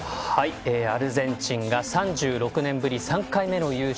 アルゼンチンが３６年ぶり３回目の優勝。